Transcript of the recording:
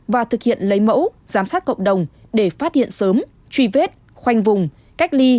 và thực hiện lấy mẫu giám sát cộng đồng để phát hiện sớm truy vết khoanh vùng cách ly